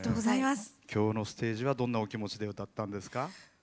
きょうのステージはどんなお気持ちで歌ったんですか？